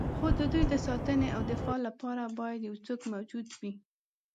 خو د دوی د ساتنې او دفاع لپاره باید یو څوک موجود وي.